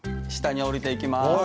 下に下りていきます。